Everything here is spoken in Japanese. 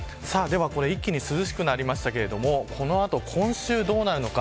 一気に涼しくなりましたけどこの後、今週どうなるのか。